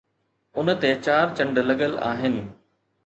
ان تي چار چنڊ لڳل آهن